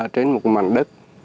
trên một mạng đất